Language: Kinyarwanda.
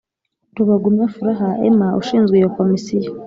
rubagumya furaha emma ushinzwe iyo komisiyo